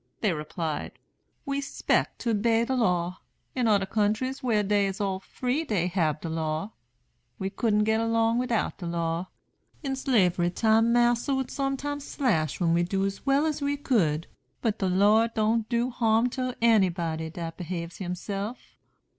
They replied: "We 'spect to 'bey de law. In oder countries where dey is all free dey hab de law. We couldn't get along widout de law. In Slavery time, massa would sometimes slash we when we do as well as we could; but de law don't do harm to anybody dat behaves himself.